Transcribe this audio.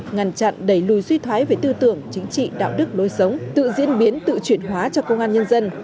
ngăn chặn đẩy lùi suy thoái về tư tưởng chính trị đạo đức lối sống tự diễn biến tự chuyển hóa cho công an nhân dân